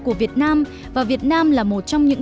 của việt nam và việt nam là một trong những